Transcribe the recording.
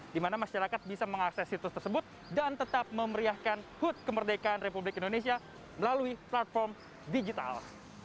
di mana masyarakat bisa mengakses situs tersebut dan tetap memeriahkan hud kemerdekaan republik indonesia melalui platform digital